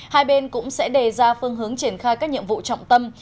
hai bên cũng sẽ đề ra phương hướng triển khai các nhiệm vụ trọng tâm